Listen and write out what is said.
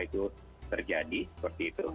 itu terjadi seperti itu